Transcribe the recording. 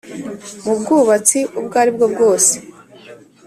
. Mu bwubatsi ubwo ari bwo bwose